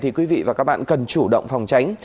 thì quý vị và các bạn cần chủ động phòng tránh